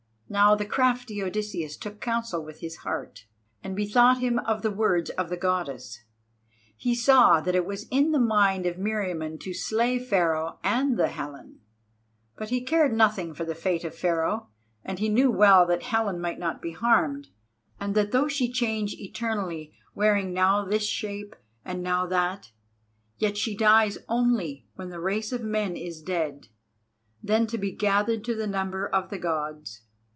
Now the crafty Odysseus took counsel with his heart, and bethought him of the words of the Goddess. He saw that it was in the mind of Meriamun to slay Pharaoh and the Helen. But he cared nothing for the fate of Pharaoh, and knew well that Helen might not be harmed, and that though she change eternally, wearing now this shape, and now that, yet she dies only when the race of men is dead—then to be gathered to the number of the Gods.